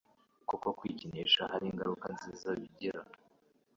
kuko Kwikinisha hari ingaruka nziza bigira